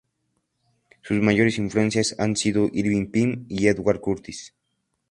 Sus mayores influencias han sido Irving Penn y Edward Curtis.